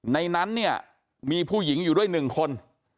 ในนั้นเนี่ยมีผู้หญิงอยู่ด้วย๑คน